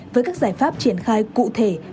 với các giải pháp triển khai cụ thể